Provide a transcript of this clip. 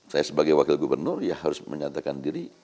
saya sebagai wakil gubernur ya harus menyatakan diri